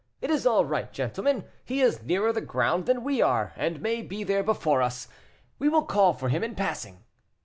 It is all right, gentlemen; he is nearer the ground than we are, and may be there before us. We will call for him in passing."